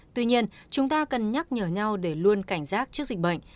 tuy nhiên chúng ta cần nhắc nhở nhau để luôn cảnh giác trước dịch bệnh